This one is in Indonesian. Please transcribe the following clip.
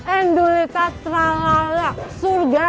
endulita tralala surga